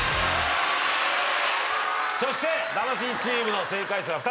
そして魂チームの正解数は２つ。